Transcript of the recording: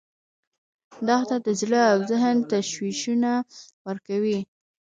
دښته د زړه او ذهن تشویشونه ورکوي.